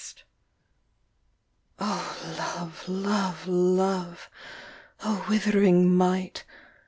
O Love, Love, Love! O withering might!